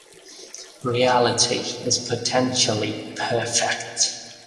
Reality is potentially perfect.